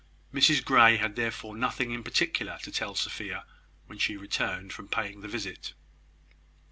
Mrs Grey had therefore nothing in particular to tell Sophia when she returned from paying the visit.